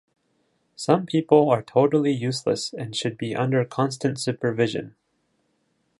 Some people are totally useless and should be under constant supervision.